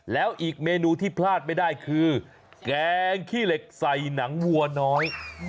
แล้วอีกเมนูที่พลาดไม่ได้คือแกงขี้เหล็กใส่หนังวัวน้อย